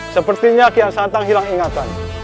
sepertinya kian santang hilang ingatan